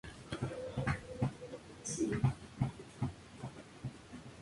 Él siguió hablando de ella como de su familia.